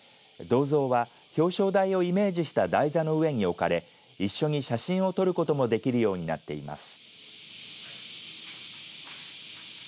銅像は表彰台をイメージした台座の上に置かれ一緒に写真を撮ることもできるようになっています。